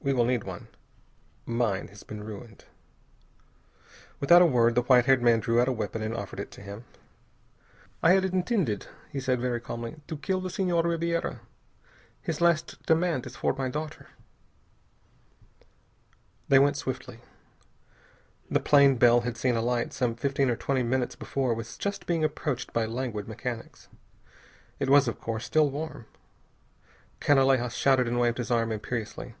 We will need one. Mine has been ruined." Without a word, the white haired man drew out a weapon and offered it to him. "I had intended," he said very calmly, "to kill the Senhor Ribiera. His last demand is for my daughter." They went swiftly. The plane Bell had seen alight some fifteen or twenty minutes before was just being approached by languid mechanics. It was, of course, still warm. Canalejas shouted and waved his arm imperiously.